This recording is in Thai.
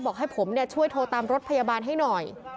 ให้ผมช่วยโทรตามรถพยาบาลให้หน่อย